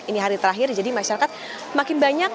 ini hari terakhir jadi masyarakat makin banyak